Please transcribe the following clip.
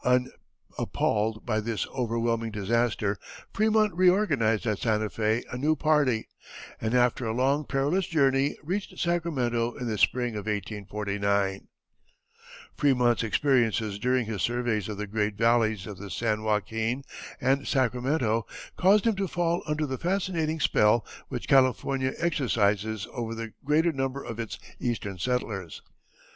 Unappalled by this overwhelming disaster Frémont reorganized at Santa Fé a new party, and after a long, perilous journey reached Sacramento in the spring of 1849. Frémont's experiences during his surveys of the great valleys of the San Joaquin and Sacramento caused him to fall under the fascinating spell which California exercises over the greater number of its Eastern settlers.